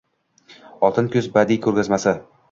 “Oltin kuz” badiiy ko‘rgazmasi